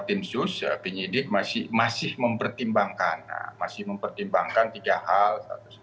terus akan mengawal